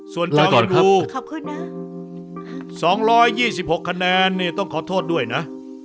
ส่วนจองอินวู๒๒๖คะแนนต้องขอโทษด้วยนะ